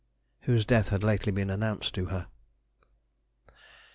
[whose death had lately been announced to her.